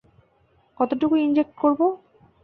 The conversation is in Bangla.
কতটুকু ইঞ্জেক্ট করব?